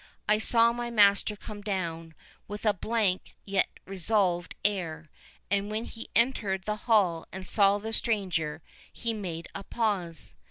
I saw my master come down, with a blank, yet resolved air; and when he entered the hall and saw the stranger, he made a pause.